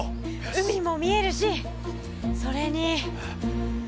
海も見えるしそれにほら！